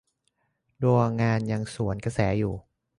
ดวงงานยังสวนกระแสอยู่